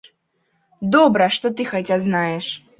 Добра, што ты хаця знаеш!